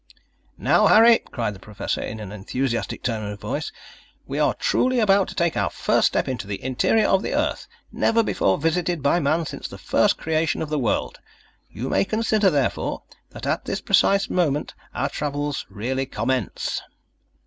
"Now, Harry," cried the Professor, in an enthusiastic tone of voice, "we are truly about to take our first step into the Interior of the Earth; never before visited by man since the first creation of the world. You may consider, therefore, that at this precise moment our travels really commence."